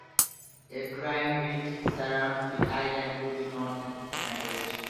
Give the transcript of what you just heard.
A drying reef surrounds the island to the north and east.